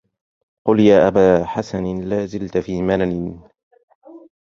قل يا أبا حسن لا زلت في منن